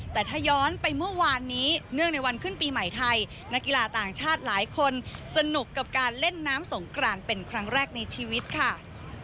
แต่ถ้าย้อนไปเมื่อวานนี้เนื่องในวันขึ้นปีใหม่ไทยนักกีฬาต่างชาติหลายคนสนุกกับการเล่นน้ำสงกรานเป็นครั้งแรกในชีวิตค่ะ